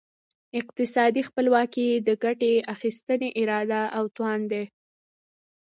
اقتصادي خپلواکي د ګټې اخیستني اراده او توان دی.